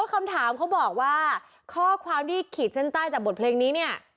คำถามเขาบอกว่าข้อความที่ขีดเส้นใต้จากบทเพลงนี้เนี่ย